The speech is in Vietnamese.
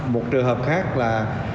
một trường hợp khác là